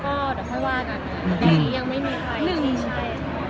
ก็เลยคุยด้านงานกันและอยู่ด้านงานด้วย